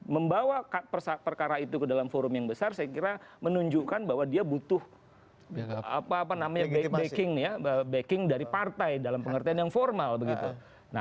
membawa perkara itu ke dalam forum yang besar saya kira menunjukkan bahwa dia butuh backing dari partai dalam pengertian yang formal begitu